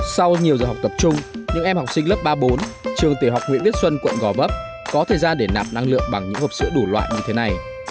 sau nhiều giờ học tập trung những em học sinh lớp ba bốn trường tiểu học nguyễn viết xuân quận gò vấp có thời gian để nạp năng lượng bằng những hộp sữa đủ loại như thế này